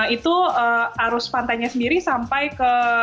itu arus pantainya sendiri sampai ke